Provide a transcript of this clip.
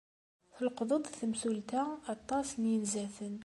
Telqeḍ-d temsulta aṭas n yinzaten.